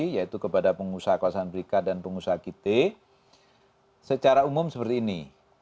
yaitu kepada pengusaha kawasan berikat dan pengusaha kita secara umum seperti ini